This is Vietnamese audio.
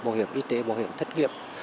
bảo hiểm y tế bảo hiểm thất nghiệp